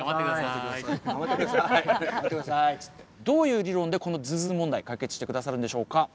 どういう理論でこのズズズ問題解決してくださるんでしょうか？